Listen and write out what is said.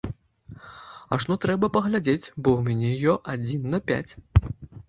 Ажно трэба паглядзець, бо ў мяне ё адзін на пяць.